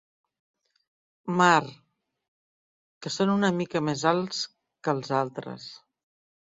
Mar—, que són una mica més alts que els altres.